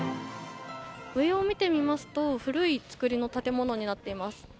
上を見てみますと古い造りの建物になっています。